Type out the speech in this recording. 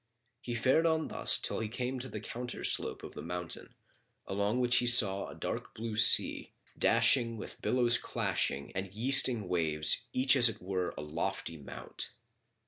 He fared on thus till he came to the counterslope of the mountain, along which he saw a dark blue sea, dashing with billows clashing and yeasting waves each as it were a lofty mount.